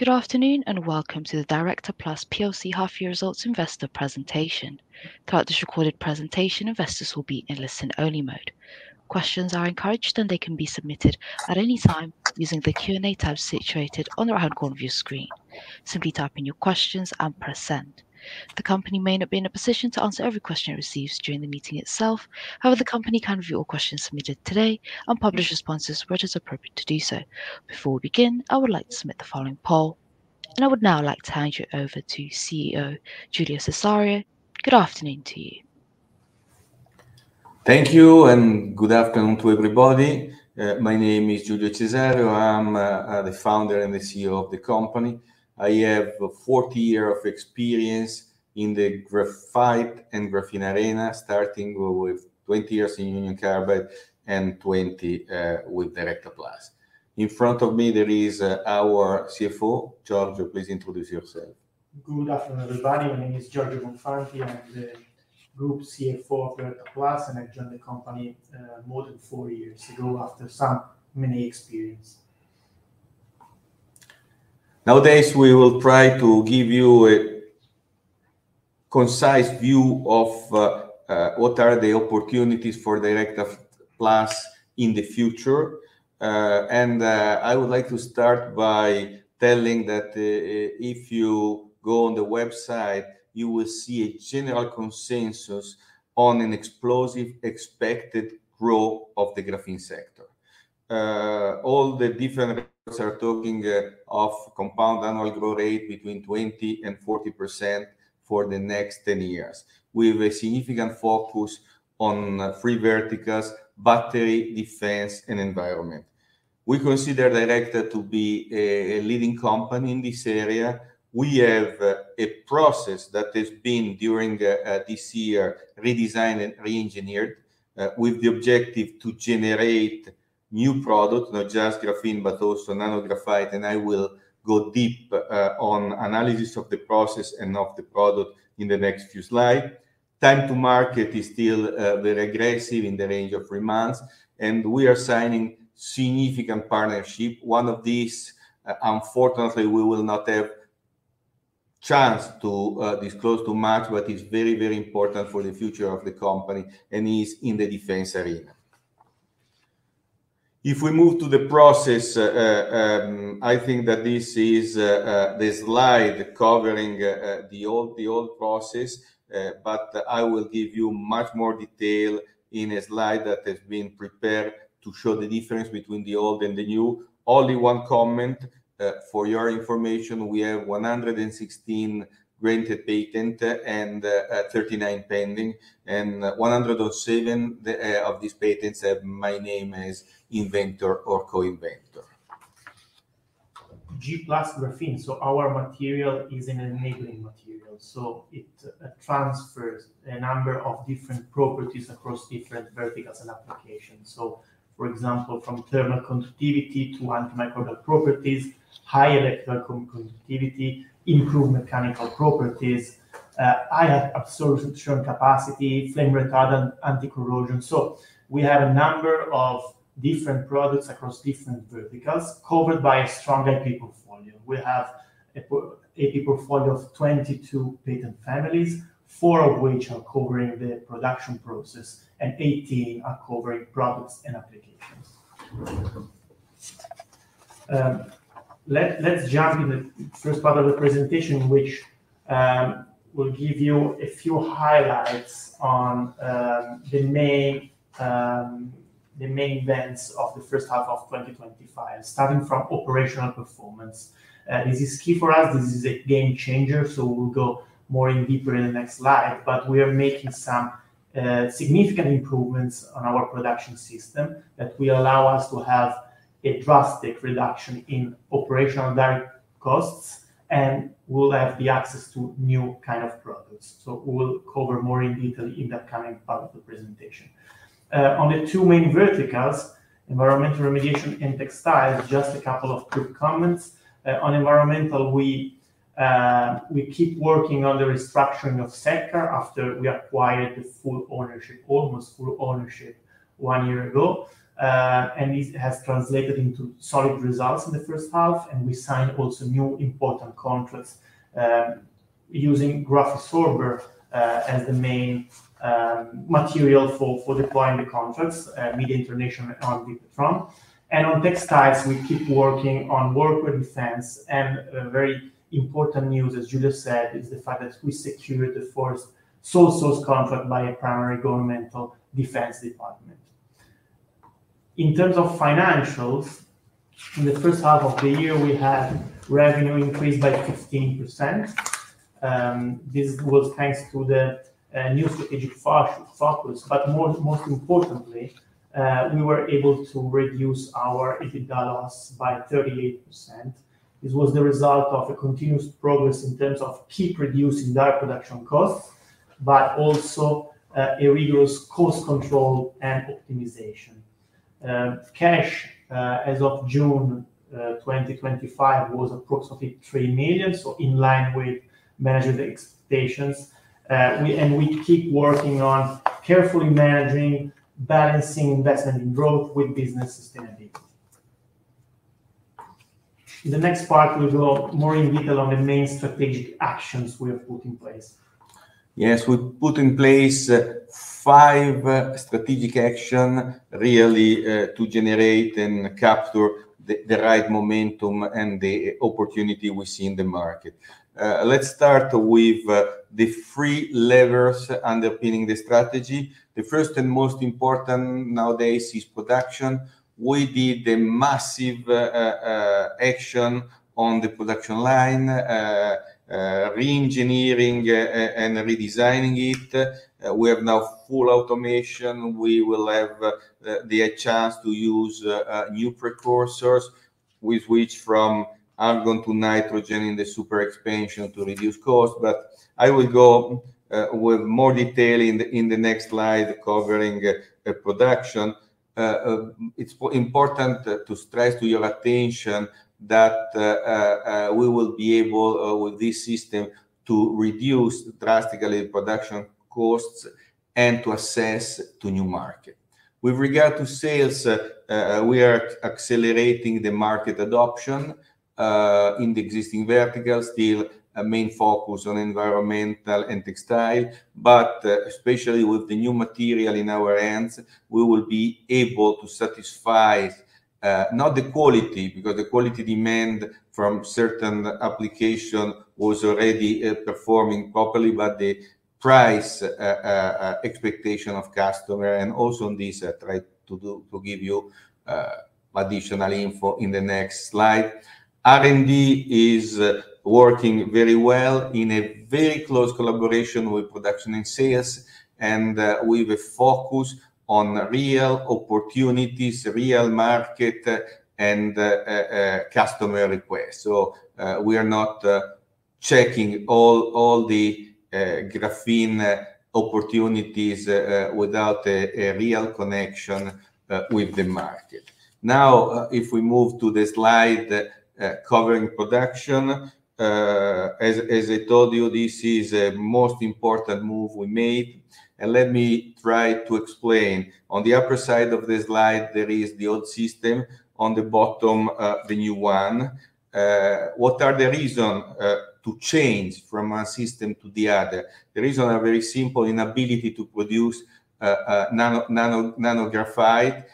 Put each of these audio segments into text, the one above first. Good afternoon, welcome to the Directa Plus PLC half-year results investor presentation. Throughout this recorded presentation, investors will be in listen-only mode. Questions are encouraged, they can be submitted at any time using the Q&A tab situated on the right-hand corner of your screen. Simply type in your questions and press Send. The company may not be in a position to answer every question it receives during the meeting itself. However, the company can review all questions submitted today and publish responses where it is appropriate to do so. Before we begin, I would like to submit the following poll. I would now like to hand you over to CEO Giulio Cesareo. Good afternoon to you. Thank you. Good afternoon to everybody. My name is Giulio Cesareo. I'm the Founder and CEO of the company. I have 40 years of experience in the graphite and graphene arena, starting with 20 years in Union Carbide and 20 with Directa Plus. In front of me there is our CFO, Giorgio. Please introduce yourself. Good afternoon, everybody. My name is Giorgio Bonfanti. I'm the group CFO of Directa Plus. I joined the company more than four years ago after some many experience. Nowadays, we will try to give you a concise view of what are the opportunities for Directa Plus in the future. I would like to start by telling that if you go on the website, you will see a general consensus on an explosive expected growth of the graphene sector. All the different groups are talking of compound annual growth rate between 20% and 40% for the next 10 years, with a significant focus on three verticals: battery, defense, and environment. We consider Directa to be a leading company in this area. We have a process that has been, during this year, redesigned and reengineered with the objective to generate new products, not just graphene, but also nanographenite. I will go deep on analysis of the process and of the product in the next few slide. Time to market is still very aggressive in the range of 3 months. We are signing significant partnership. One of these, unfortunately, we will not have chance to disclose too much, but it's very, very important for the future of the company and is in the defense arena. If we move to the process, I think that this is the slide covering the old process. I will give you much more detail in a slide that has been prepared to show the difference between the old and the new. Only one comment. For your information, we have 116 granted patent and 39 pending, and 107 of these patents have my name as inventor or co-inventor. G+ graphene. Our material is an enabling material, so it transfers a number of different properties across different verticals and applications. For example, from thermal conductivity to antimicrobial properties, high electrical conductivity, improved mechanical properties, high absorption capacity, flame retardant, anti-corrosion. We have a number of different products across different verticals covered by a strong IP portfolio. We have IP portfolio of 22 patent families, 4 of which are covering the production process and 18 are covering products and applications. Let's jump in the first part of the presentation, which will give you a few highlights on the main events of the first half of 2025, starting from operational performance. This is key for us. This is a game changer, so we'll go more in deeper in the next slide, but we are making some significant improvements on our production system that will allow us to have a drastic reduction in operational direct costs, and we'll have the access to new kind of products. We'll cover more in detail in the coming part of the presentation. On the two main verticals, environmental remediation and textiles, just a couple of quick comments. On environmental, we keep working on the restructuring of Setcar after we acquired the full ownership, almost full ownership one year ago. This has translated into solid results in the first half, and we signed also new important contracts, using Grafysorber as the main material for deploying the contracts, Midia International on different front. On textiles, we keep working on workwear and defense, a very important news, as Giulio said, is the fact that we secured the first sole source contract by a primary governmental defense department. In terms of financials, in the first half of the year, we had revenue increased by 15%. This was thanks to the new strategic focus, but most importantly, we were able to reduce our EBITDA loss by 38%. This was the result of a continuous progress in terms of keep reducing direct production costs, but also a reduced cost control and optimization. Cash, as of June 2025, was approximately 3 million, so in line with management expectations. We keep working on carefully managingBalancing investment in growth with business sustainability. In the next part, we'll go more in detail on the main strategic actions we have put in place. Yes, we put in place, five strategic action really, to generate and capture the right momentum and the opportunity we see in the market. Let's start with the three levers underpinning the strategy. The first and most important nowadays is production. We did a massive action on the production line, re-engineering and redesigning it. We have now full automation. We will have the chance to use new precursors with which from argon to nitrogen in the Super Expansion to reduce cost. I will go with more detail in the next slide covering production. It's important to stress to your attention that we will be able with this system to reduce drastically production costs and to assess to new market. With regard to sales, we are accelerating the market adoption in the existing vertical. Still a main focus on environmental and textile, but especially with the new material in our hands, we will be able to satisfy not the quality, because the quality demand from certain application was already performing properly, but the price expectation of customer and also on this I try to give you additional info in the next slide. R&D is working very well in a very close collaboration with production and sales, and we will focus on real opportunities, real market, and customer request. So, we are not checking all the graphene opportunities without a real connection with the market. Now, if we move to the slide, covering production, as I told you, this is a most important move we made, and let me try to explain. On the upper side of the slide, there is the old system. On the bottom, the new one. What are the reason, to change from one system to the other? The reason are very simple, inability to produce, nanographene.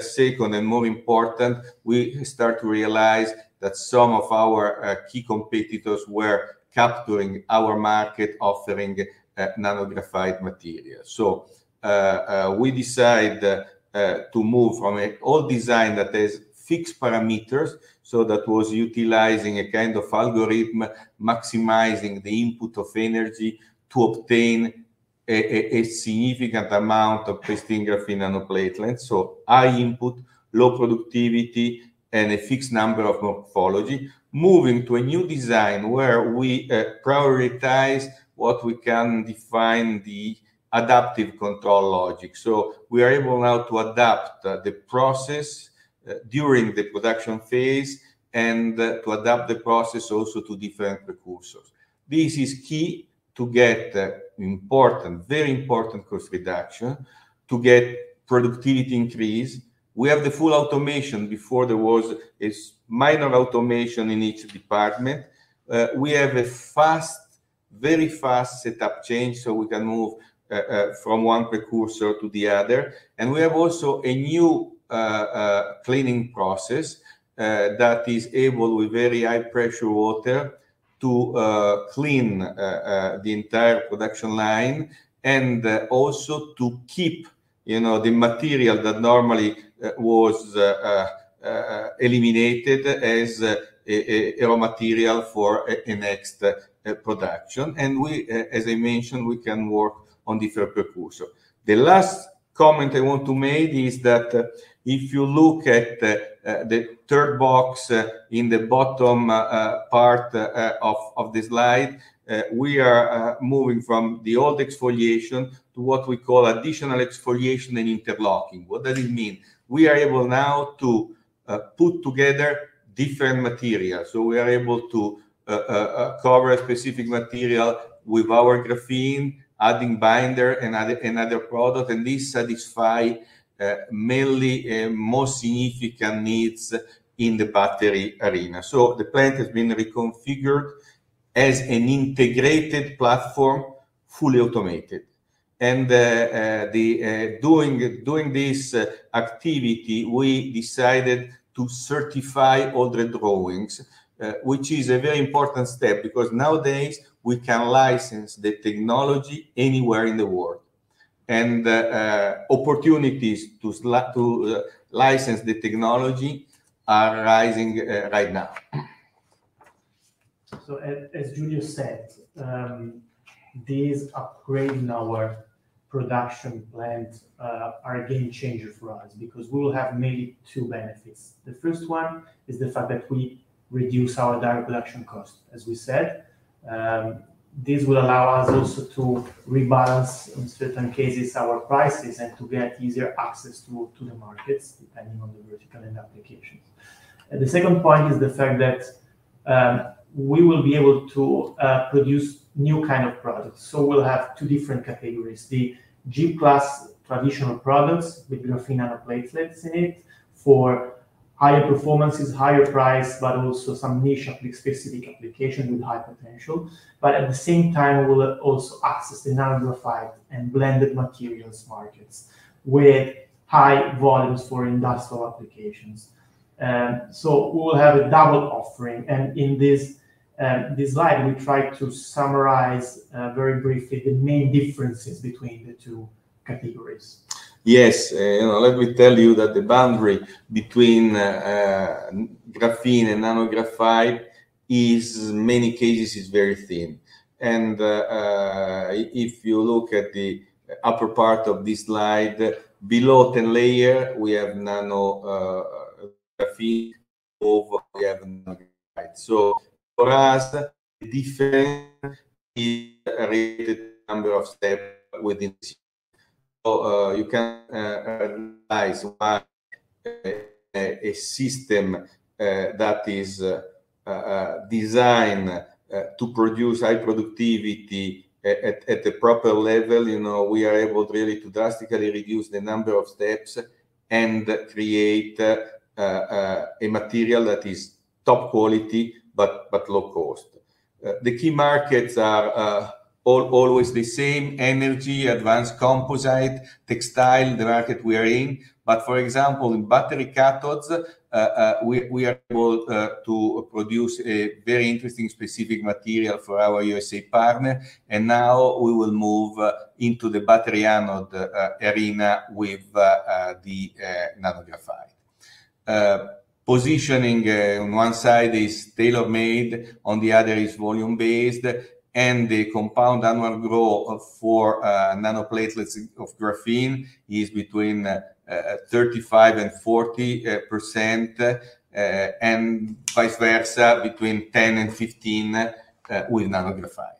Second and more important, we start to realize that some of our, key competitors were capturing our market offering, nanographene material. We decide, to move from an old design that has fixed parameters, so that was utilizing a kind of algorithm, maximizing the input of energy to obtain a significant amount of pristine graphene nanoplatelets. High input, low productivity, and a fixed number of morphology. Moving to a new design where we prioritize what we can define the adaptive control logic. We are able now to adapt the process during the production phase and to adapt the process also to different precursors. This is key to get important, very important cost reduction, to get productivity increase. We have the full automation. Before there was a minor automation in each department. We have a fast, very fast setup change, so we can move from one precursor to the other. We have also a new cleaning process that is able with very high pressure water to clean the entire production line and also to keep, you know, the material that normally was eliminated as a material for a next production. We, as I mentioned, we can work on different precursor. The last comment I want to make is that if you look at the third box in the bottom part of the slide, we are moving from the old exfoliation to what we call additional exfoliation and interlocking. What does it mean? We are able now to put together different materials. We are able to cover a specific material with our graphene, adding binder and other product. This satisfy mainly more significant needs in the battery arena. The plant has been reconfigured as an integrated platform, fully automated. Doing this activity, we decided to certify all the drawings, which is a very important step because nowadays we can license the technology anywhere in the world. Opportunities to license the technology are rising right now. As, as Giulio said, this upgrade in our production plant, are a game changer for us because we will have mainly two benefits. The first one is the fact that we reduce our direct production cost, as we said. This will allow us also to rebalance in certain cases our prices and to get easier access to the markets depending on the vertical and applications. The second point is the fact that we will be able to produce new kind of products. We'll have two different categories. The G-class traditional products with graphene nanoplatelets in it for higher performances, higher price, but also some niche application, specific application with high potential. At the same time, we'll also access the nanographenite and blended materials markets with high volumes for industrial applications. We will have a double offering. In this slide, we try to summarize, very briefly the main differences between the two categories. Yes. you know, let me tell you that the boundary between, graphene and nanographenite is, in many cases, is very thin. If you look at the upper part of this slide, below 10 layer, we have nano, graphene. Over, we have nanographenite. For us, the difference is related to number of steps within. You can, analyze a system, that is, designed, to produce high productivity at the proper level. You know, we are able really to drastically reduce the number of steps and create, a material that is top quality but low cost. The key markets are, always the same: energy, advanced composite, textile, the market we are in. For example, in battery cathodes, we are able to produce a very interesting specific material for our USA partner. Now we will move into the battery anode arena with the nanographenite. Positioning on one side is tailor-made, on the other is volume-based. The compound annual growth for nanoplatelets of graphene is between 35% and 40% and vice versa, between 10% and 15% with nanographenite.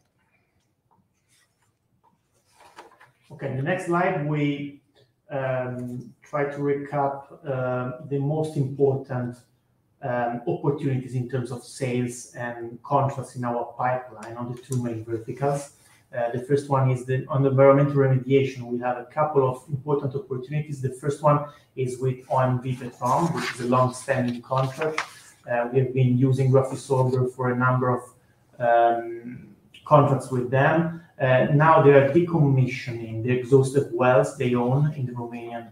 Okay. In the next slide, we try to recap the most important opportunities in terms of sales and contracts in our pipeline on the two main verticals. The first one is on environmental remediation, we have a couple of important opportunities. The first one is with OMV Petrom, which is a long-standing contract. We've been using Grafysorber for a number of contracts with them. Now they are decommissioning the exhausted wells they own in the Romanian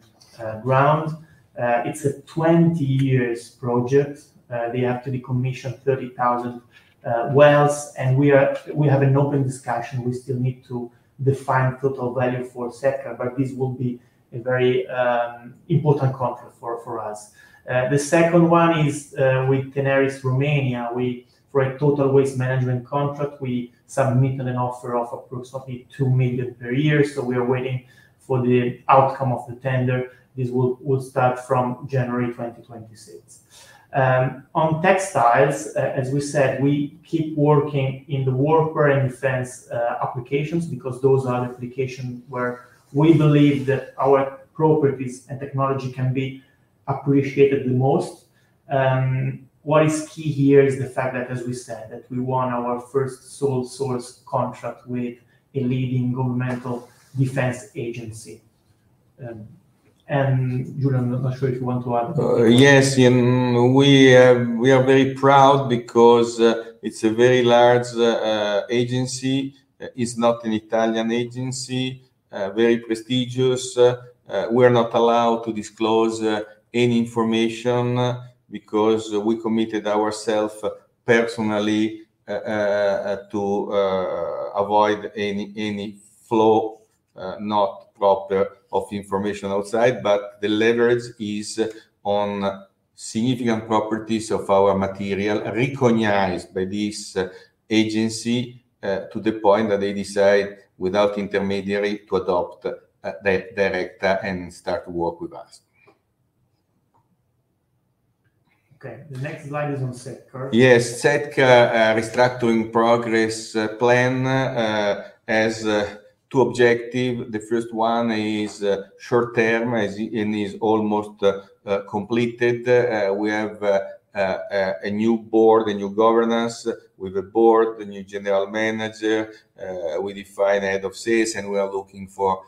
ground. It's a 20 years project. They have to decommission 30,000 wells, and we have an open discussion. We still need to define total value for Setcar S.A., but this will be a very important contract for us. The second one is with Tenaris Romania. For a total waste management contract, we submitted an offer of approximately 2 million per year. We are waiting for the outcome of the tender. This will start from January 2026. On textiles, as we said, we keep working in the workwear and defense applications because those are the applications where we believe that our properties and technology can be appreciated the most. What is key here is the fact that, as we said, that we won our first sole source contract with a leading governmental defense agency. Giulio, I'm not sure if you want to add anything. Yes. We are very proud because it's a very large agency. It's not an Italian agency. Very prestigious. We're not allowed to disclose any information because we committed ourselves personally to avoid any flow not proper of information outside. The leverage is on significant properties of our material recognized by this agency to the point that they decide without intermediary to adopt the Directa and start to work with us. Okay. The next slide is on Setcar. Yes. Setcar restructuring progress plan has two objective. The first one is short-term, and is almost completed. We have a new board, a new governance with a board, a new general manager. We define head of sales, and we are looking for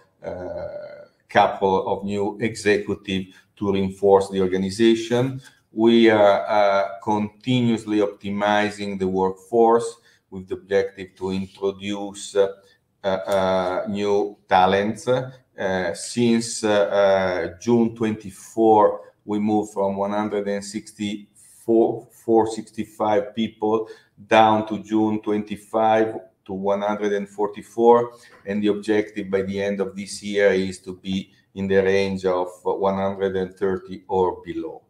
couple of new executive to reinforce the organization. We are continuously optimizing the workforce with the objective to introduce new talents. Since June 2024, we moved from 164, 465 people down to June 2025 to 144. The objective by the end of this year is to be in the range of 130 or below.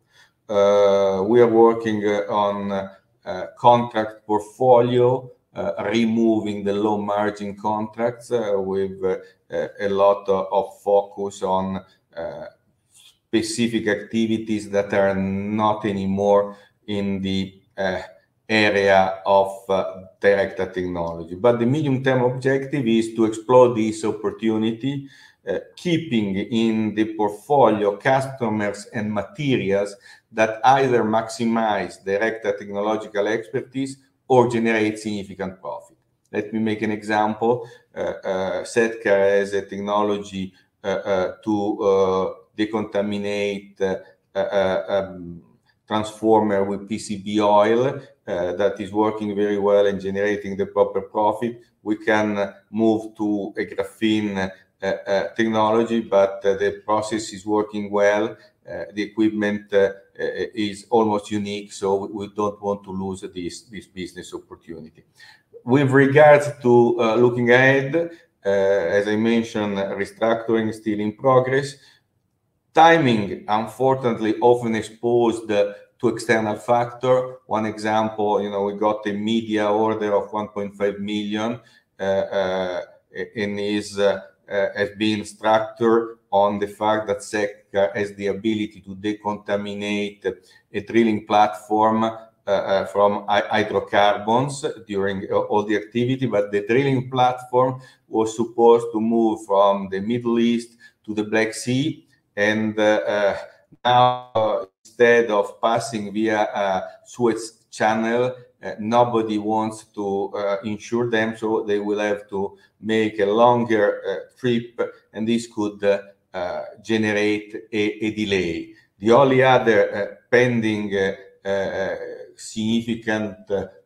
We are working on contract portfolio, removing the low-margin contracts, with a lot of focus on specific activities that are not anymore in the area of Directa technology. The medium-term objective is to explore this opportunity, keeping in the portfolio customers and materials that either maximize Directa technological expertise or generate significant profit. Let me make an example. Setcar S.A. has a technology to decontaminate the transformer with PCB oil that is working very well in generating the proper profit. We can move to a graphene technology, but the process is working well. The equipment is almost unique, so we don't want to lose this business opportunity. With regards to looking ahead, as I mentioned, restructuring is still in progress. Timing, unfortunately, often exposed to external factor. One example, you know, we got a Midia International SA order of 1.5 million. It has been structured on the fact that Setcar S.A. has the ability to decontaminate a drilling platform from hydrocarbons during all the activity. The drilling platform was supposed to move from the Middle East to the Black Sea. Now instead of passing via Suez Canal, nobody wants to insure them, so they will have to make a longer trip, and this could generate a delay. The only other pending significant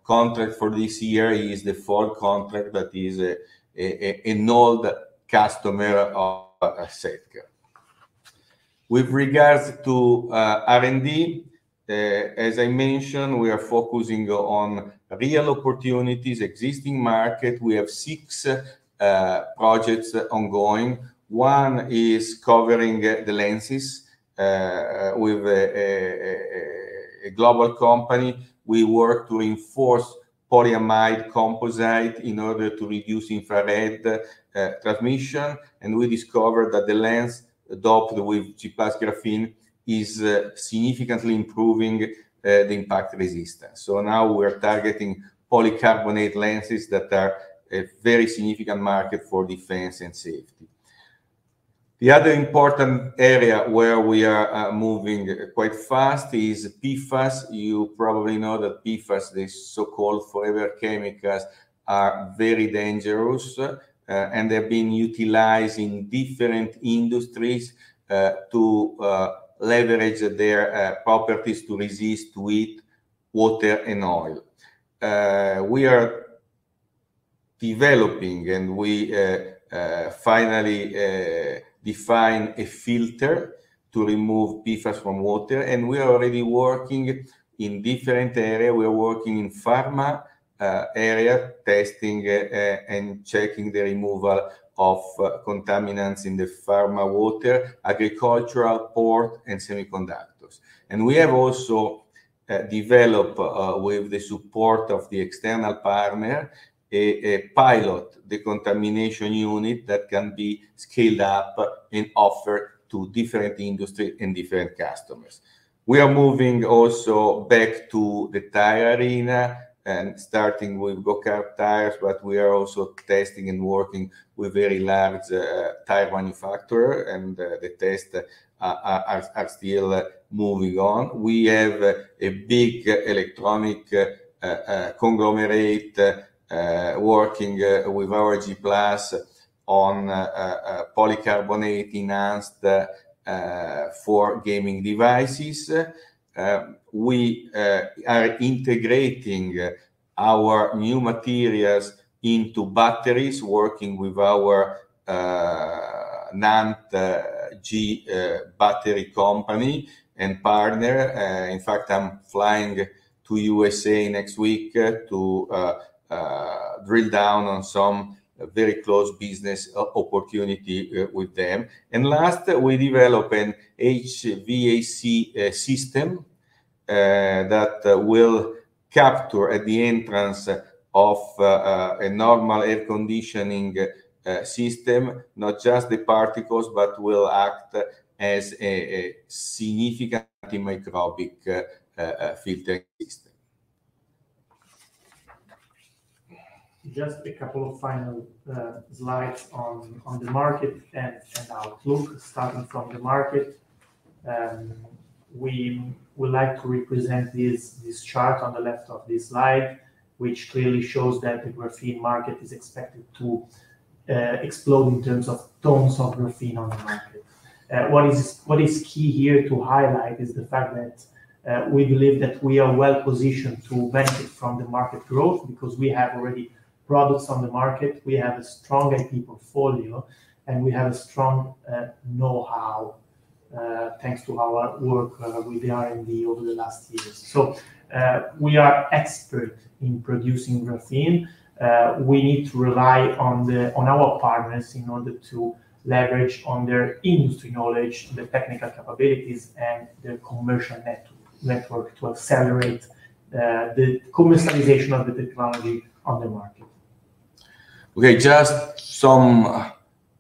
contract for this year is the Ford contract that is an old customer of Setcar S.A. With regards to R&D, as I mentioned, we are focusing on real opportunities, existing market. We have six projects ongoing. One is covering the lenses with a global company. We work to enforce polyamide composite in order to reduce infrared transmission, and we discovered that the lens doped with G+ graphene is significantly improving the impact resistance. Now we're targeting polycarbonate lenses that are a very significant market for defense and safety. The other important area where we are moving quite fast is PFAS. You probably know that PFAS, the so-called forever chemicals, are very dangerous, and they've been utilized in different industries to leverage their properties to resist heat, water, and oil. We are developing, and we finally defined a filter to remove PFAS from water, and we are already working in different area. We are working in pharma area, testing and checking the removal of contaminants in the pharma water, agricultural, port, and semiconductors. We have also developed with the support of the external partner, a pilot decontamination unit that can be scaled up and offered to different industry and different customers. We are moving also back to the tire arena and starting with truck tires, but we are also testing and working with very large tire manufacturer, and the tests are still moving on. We have a big electronic conglomerate working with our G+ on polycarbonate enhanced for gaming devices. We are integrating our new materials into batteries, working with our NantG battery company and partner. In fact, I'm flying to U.S.A. next week to drill down on some very close business opportunity with them. Last, we develop an HVAC system that will capture at the entrance of a normal air conditioning system, not just the particles, but will act as a significant antimicrobial filter system. Just a couple of final slides on the market and an outlook. Starting from the market, we would like to represent this chart on the left of this slide, which clearly shows that the graphene market is expected to explode in terms of tons of graphene on the market. What is key here to highlight is the fact that we believe that we are well-positioned to benefit from the market growth because we have already products on the market. We have a strong IP portfolio, and we have a strong know-how thanks to our work with the R&D over the last years. We are expert in producing graphene. We need to rely on the, on our partners in order to leverage on their industry knowledge, the technical capabilities, and their commercial network to accelerate the commercialization of the technology on the market. Okay, just some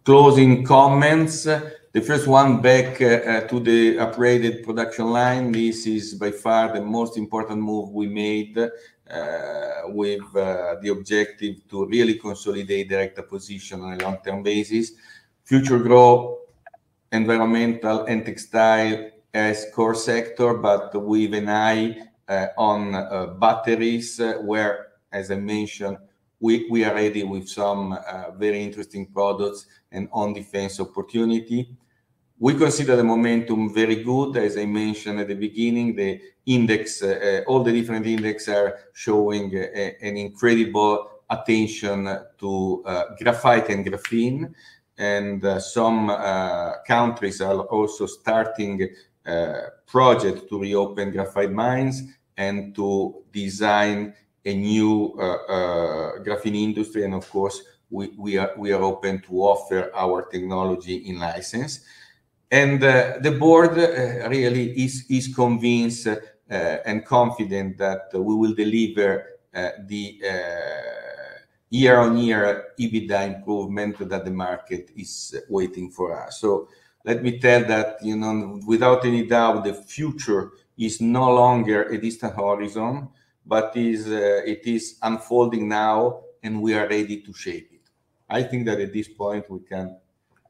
closing comments. The first one back to the upgraded production line. This is by far the most important move we made with the objective to really consolidate the position on a long-term basis. Future growth Environmental and textile as core sector, but with an eye on batteries where, as I mentioned, we are ready with some very interesting products and on defense opportunity. We consider the momentum very good. As I mentioned at the beginning, the index, all the different index are showing an incredible attention to graphite and graphene. Some countries are also starting a project to reopen graphite mines and to design a new graphene industry. Of course, we are open to offer our technology in license. The board really is convinced and confident that we will deliver the year-on-year EBITDA improvement that the market is waiting for us. Let me tell that, you know, without any doubt, the future is no longer a distant horizon, but it is unfolding now, and we are ready to shape it. I think that at this point we can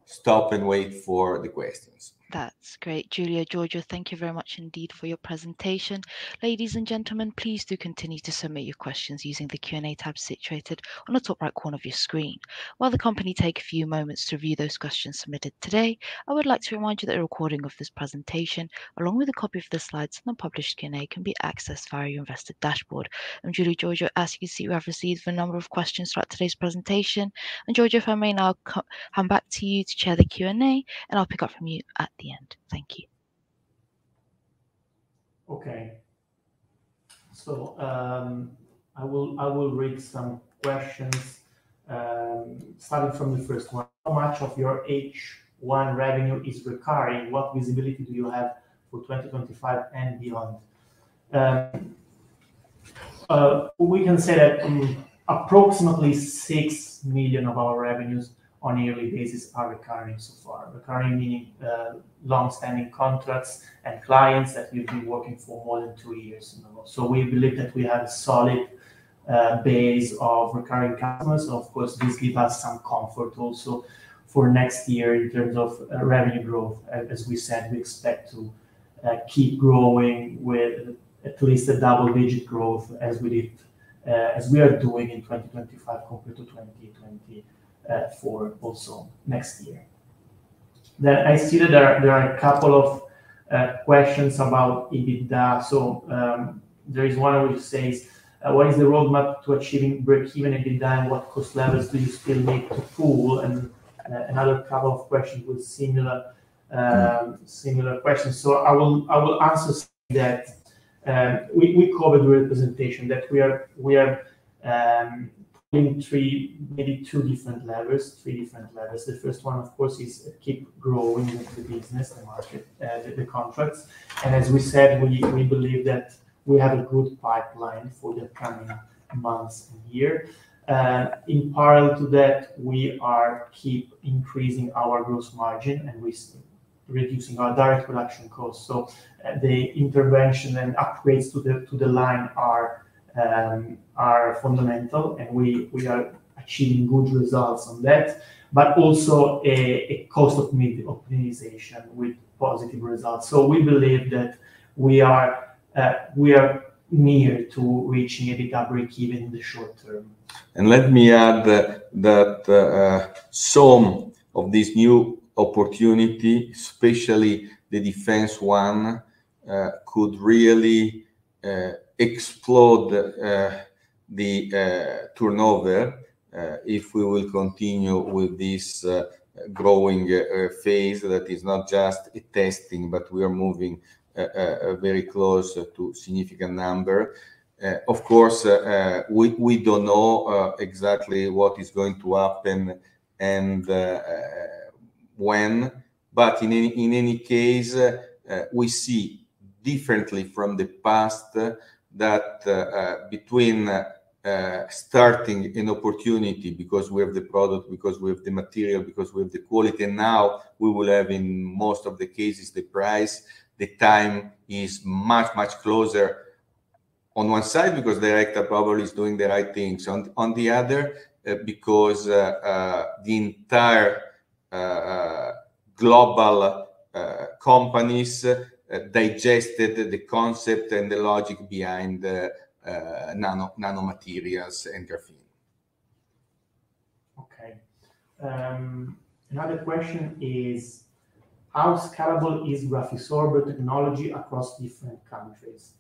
stop and wait for the questions. That's great. Giulio, Giorgio, thank you very much indeed for your presentation. Ladies and gentlemen, please do continue to submit your questions using the Q&A tab situated on the top right corner of your screen. While the company take a few moments to review those questions submitted today, I would like to remind you that a recording of this presentation, along with a copy of the slides and the published Q&A, can be accessed via your investor dashboard. Giulio, Giorgio, as you can see, we have received a number of questions throughout today's presentation. Giorgio, if I may now come back to you to chair the Q&A, and I'll pick up from you at the end. Thank you. Okay. I will read some questions, starting from the first one. How much of your H1 revenue is recurring? What visibility do you have for 2025 and beyond? We can say that approximately 6 million of our revenues on a yearly basis are recurring so far. Recurring meaning, long-standing contracts and clients that we've been working for more than two years now. We believe that we have a solid base of recurring customers. Of course, this give us some comfort also for next year in terms of revenue growth. As we said, we expect to keep growing with at least a double-digit growth as we did, as we are doing in 2025 compared to 2024, also next year. I see that there are a couple of questions about EBITDA. There is one which says, "What is the roadmap to achieving breakeven EBITDA, and what cost levers do you still need to pull?" Another couple of questions with similar questions. I will answer that. We covered during the presentation that we are in 3, maybe 2 different levers, 3 different levers. The first one, of course, is keep growing the business and market the contracts. As we said, we believe that we have a good pipeline for the coming months and year. In parallel to that, we are keep increasing our gross margin, and we're still reducing our direct production costs. The intervention and upgrades to the line are fundamental, and we are achieving good results on that. Also a cost optimization with positive results. We believe that we are near to reaching EBITDA breakeven in the short term. Let me add that some of these new opportunity, especially the defense one, could really explode the turnover, if we will continue with this growing phase that is not just a testing, but we are moving very close to significant number. Of course, we don't know exactly what is going to happen and when. In any case, we see differently from the past that between starting an opportunity because we have the product, because we have the material, because we have the quality, and now we will have in most of the cases the price, the time is much, much closer on one side because the Rector probably is doing the right things. On the other, because, the entire, global companies digested the concept and the logic behind the nano materials and graphene. Okay. Another question is, how scalable is Grafysorber technology across different countries?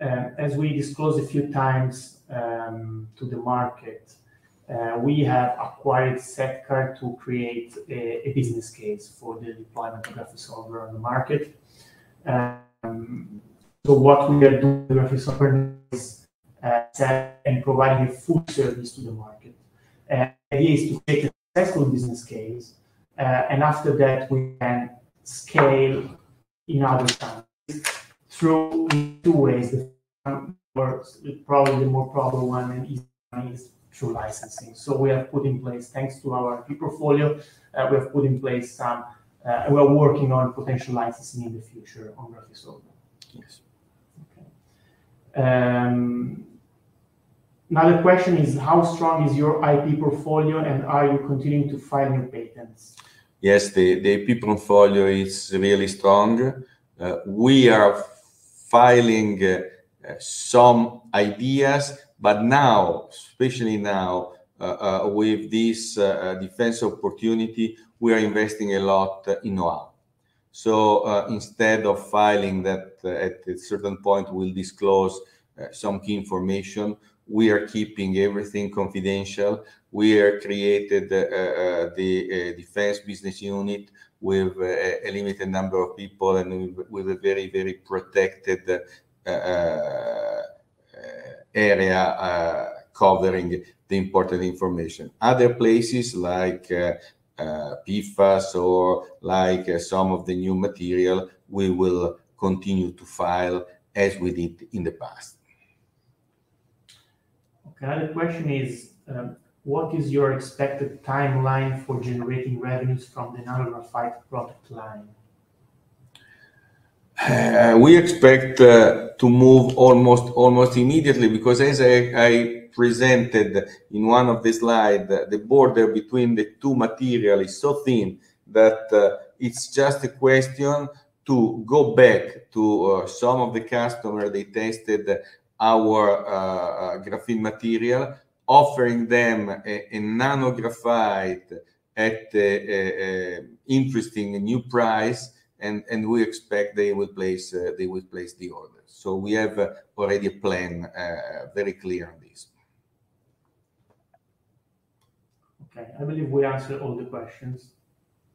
As we disclosed a few times to the market, we have acquired Setcar to create a business case for the deployment of Grafysorber on the market. What we are doing with Grafysorber is testing and providing a full service to the market. The idea is to create a successful business case, after that we can scale in other countries through two ways. One, probably the more probable one, and easy one is through licensing. We have put in place, thanks to our IP portfolio, we have put in place some, we are working on potential licensing in the future on Grafysorber. Yes. Now the question is, how strong is your IP portfolio, and are you continuing to file new patents? Yes, the IP portfolio is really strong. We are filing some ideas, but now, especially now, with this defense opportunity, we are investing a lot in OA. Instead of filing that at a certain point, we'll disclose some key information, we are keeping everything confidential. We are created the defense business unit with a limited number of people and with a very, very protected area, covering the important information. Other places like PFAS or like some of the new material, we will continue to file as we did in the past. Okay. The question is, what is your expected timeline for generating revenues from the graphene product line? almost immediately because as I presented in one of the slide, the border between the two material is so thin that it's just a question to go back to some of the customer, they tested our graphene material, offering them a nanographite at an interesting new price, and we expect they will place the order. We have already a plan very clear on this Okay. I believe we answered all the questions.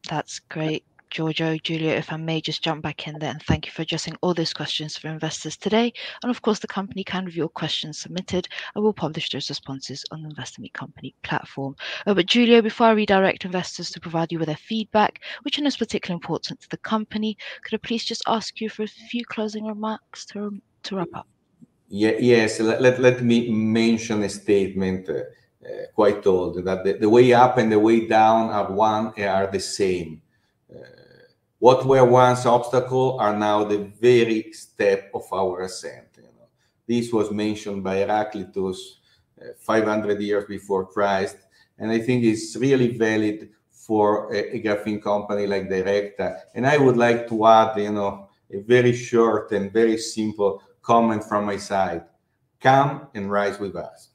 That's great, Giorgio. Giulio, if I may just jump back in then. Thank you for addressing all those questions from investors today. Of course, the company can review all questions submitted, and we'll publish those responses on the InvestorMeetCompany company platform. Giulio, before I redirect investors to provide you with their feedback, which is particularly important to the company, could I please just ask you for a few closing remarks to wrap up? Yes. Let me mention a statement, quite old, that the way up and the way down are the same. What were once obstacle are now the very step of our ascent, you know. This was mentioned by Heraclitus, 500 years before Christ, I think it's really valid for a graphene company like Directa. I would like to add, you know, a very short and very simple comment from my side. Come and rise with us.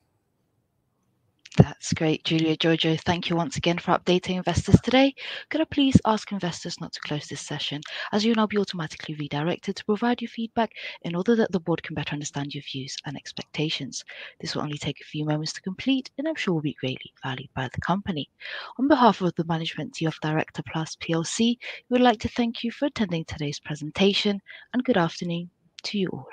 That's great. Giulio, Giorgio, thank you once again for updating investors today. Could I please ask investors not to close this session, as you'll now be automatically redirected to provide your feedback in order that the board can better understand your views and expectations. This will only take a few moments to complete. I'm sure will be greatly valued by the company. On behalf of the management team of Directa Plus PLC, we would like to thank you for attending today's presentation. Good afternoon to you all.